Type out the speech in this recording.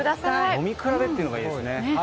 飲み比べってのがいいですね。